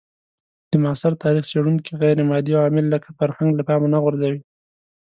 د معاصر تاریخ څېړونکي غیرمادي عوامل لکه فرهنګ له پامه نه غورځوي.